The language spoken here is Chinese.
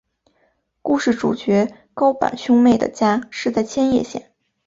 故事主角高坂兄妹的家是在千叶县。